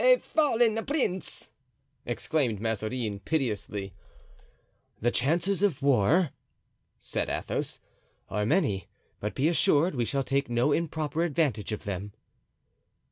"A fallen prince!" exclaimed Mazarin, piteously. "The chances of war," said Athos, "are many, but be assured we shall take no improper advantage of them."